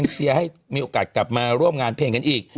เชียร์ให้มีโอกาสกลับมาร่วมงานเพลงกันอีก